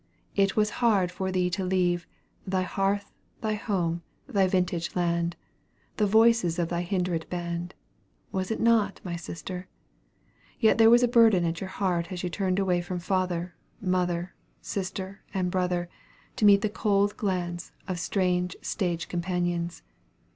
It was hard for thee to leave "Thy hearth, thy home, thy vintage land. The voices of thy hindred band," was it not, my sister? Yes, there was a burden at your heart as you turned away from father, mother, sister, and brother, to meet the cold glance of strange stage companions.